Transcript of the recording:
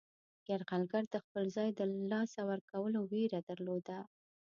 یرغلګر د خپل ځای د له لاسه ورکولو ویره درلوده.